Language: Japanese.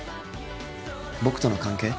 僕との関係？